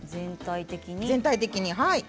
全体的に。